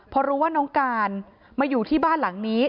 พอรู้ว่าน้องการมาอยู่ที่บ้านหลังนี้